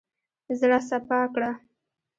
زړه سپا کړه.